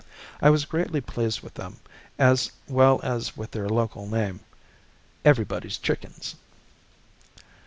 I was greatly pleased with them, as well as with their local name, "everybody's chickens."